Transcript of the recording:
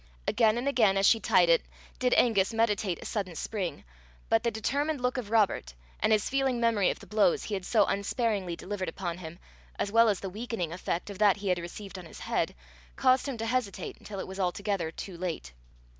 Again and again, as she tied it, did Angus meditate a sudden spring, but the determined look of Robert, and his feeling memory of the blows he had so unsparingly delivered upon him, as well as the weakening effect of that he had received on his head, caused him to hesitate until it was altogether too late.